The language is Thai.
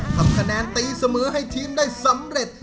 ทำคะแนนตีเสมอให้ทีมได้สำเร็จ